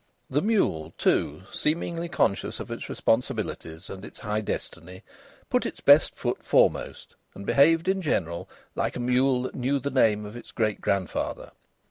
The mule, too, seemingly conscious of its responsibilities and its high destiny, put its best foot foremost and behaved in general like a mule that knew the name of its great grandfather.